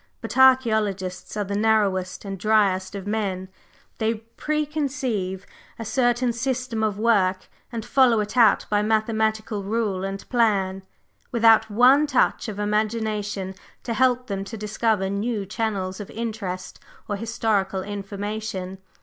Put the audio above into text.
But archæologists are the narrowest and dryest of men, they preconceive a certain system of work and follow it out by mathematical rule and plan, without one touch of imagination to help them to discover new channels of interest or historical information.